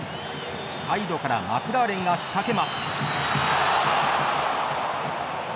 サイドからマクラーレンが仕掛けます。